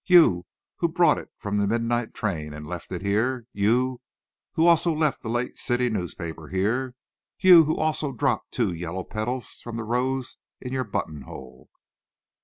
You, who brought it from the midnight train, and left it here! You, who also left the late city newspaper here! You, who also dropped two yellow petals from the rose in your buttonhole."